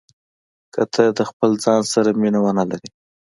که ته د خپل ځان سره مینه ونه لرې.